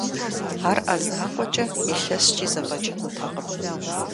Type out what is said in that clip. Ар Ӏэ закъуэкӀэ илъэскӀи зэфӀэкӀынутэкъым.